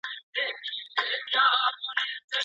د زده کوونکو د چلند ثبتول د ښوونکي سره مرسته کوي.